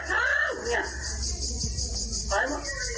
นั่ง